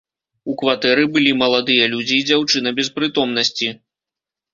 У кватэры былі маладыя людзі і дзяўчына без прытомнасці.